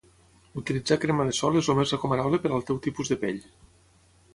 Utilitzar crema de sol és el més recomanable per al teu tipus de pell.